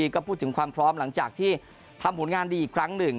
ก็พูดถึงความพร้อมหลังจากที่ทำผลงานดีอีกครั้งหนึ่ง